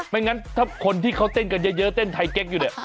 ไม่งั้นถ้าคนที่เขาเต้นกันเยอะเต้นไทยเก๊กอยู่เนี่ย